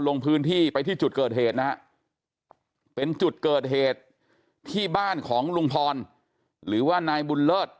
ลงพื้นที่ไปที่จุดเกิดเหตุนะฮะเป็นจุดเกิดเหตุที่บ้านของลุงพรหรือว่านายบุญเลิศ